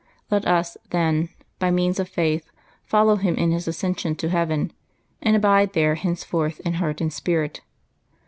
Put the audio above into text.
Let us, then, by means of faith, follow Him in His As cension to heaven_, and abide there henceforth in heart and spirit.